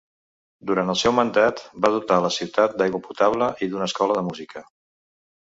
Durant el seu mandat va dotar la ciutat d'aigua potable i d'una escola de música.